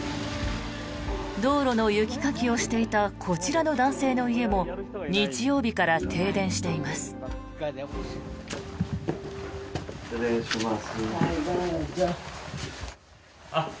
道路の雪かきをしていたこちらの男性の家も日曜日から停電しています。